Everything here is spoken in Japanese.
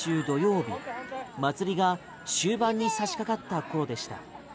問題の映像は先週土曜日祭りが終盤に差し掛かったころでした。